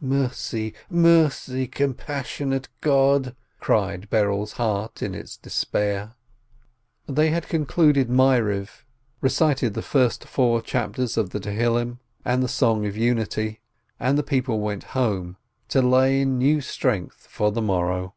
"Mercy, mercy, compassionate God!" cried Berel's heart in its despair. They had concluded Maariv, recited the first four chapters of the Psalms and the Song of Unity, and the people went home, to lay in new strength for the morrow.